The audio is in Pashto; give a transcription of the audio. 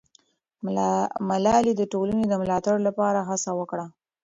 ملالۍ د ټولنې د ملاتړ لپاره هڅه وکړه.